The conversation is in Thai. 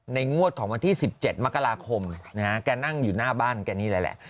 งวดของวันที่๑๗มกราคมนะฮะแกนั่งอยู่หน้าบ้านแกนี่แหละ